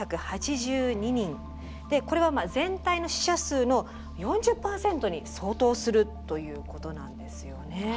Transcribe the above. これは全体の死者数の４０％に相当するということなんですよね。